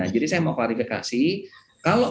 jadi saya mau klarifikasi kalau